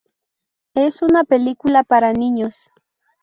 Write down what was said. Es una película para niños.